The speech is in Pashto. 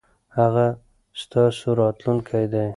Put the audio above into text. هغه ستاسو راتلونکی دی.